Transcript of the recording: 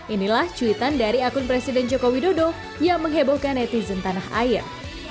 inilah cuitan dari akun presiden joko widodo yang menghebohkan netizen tanah air